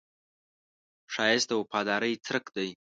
ښایست د وفادارۍ څرک دی